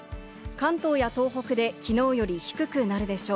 関東や東北で昨日より低くなるでしょう。